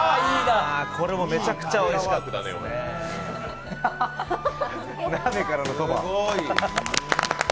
これもめちゃくちゃおいしかったです。